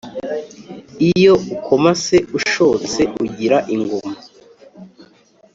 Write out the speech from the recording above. iyo ukomase ushotse ugira inguma.